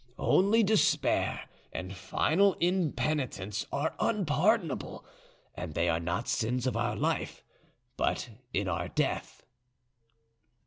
Only despair and final impenitence are unpardonable, and they are not sins of our life but in our death."